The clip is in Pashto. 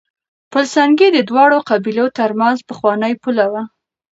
پل سنګي د دواړو قبيلو ترمنځ پخوانۍ پوله وه.